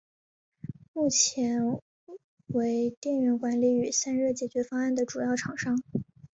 目前为电源管理与散热解决方案的主要厂商。